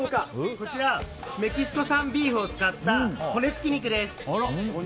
こちらメキシコ産ビーフを使った骨付きビーフです。